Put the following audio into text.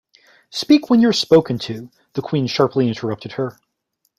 ‘Speak when you’re spoken to!’ The Queen sharply interrupted her.